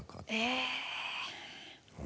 え？